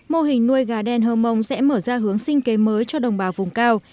mô hình nuôi gà đen hơ mông sẽ mở ra hướng sinh kế mới cho đồng bào vùng cao